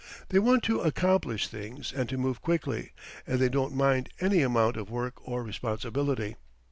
They want to accomplish things and to move quickly, and they don't mind any amount of work or responsibility.